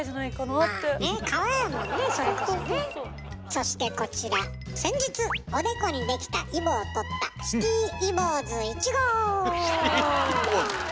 そしてこちら先日おでこにできたイボを取ったシティイボーズ。